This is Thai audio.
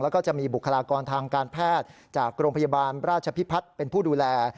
แล้วก็จะมีบุคลากรทางการแพทย์จากโรงพยาบาลราชพิพัฒน์เป็นผู้ดูแล